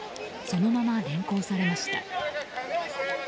そのまま連行されました。